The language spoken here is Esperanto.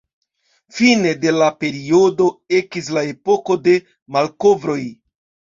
Fine de la periodo, ekis la Epoko de Malkovroj.